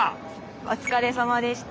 お疲れさまでした。